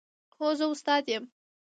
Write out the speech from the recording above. هو، زه استاد یم